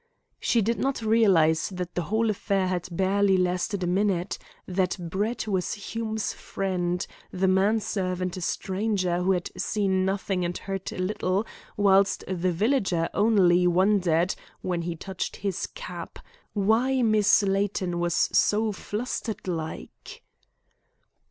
She did not realise that the whole affair had barely lasted a minute, that Brett was Hume's friend, the man servant a stranger who had seen nothing and heard little, whilst the villager only wondered, when he touched his cap, "why Miss Layton was so flustered like."